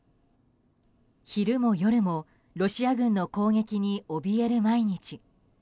昼も夜もロシア軍の攻撃におびえる毎日。